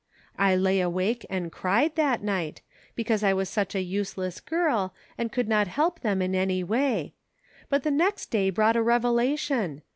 I lay awake and cried, that night, because I was such a useless girl, and could not help them in any way. But the next day brought a revelation.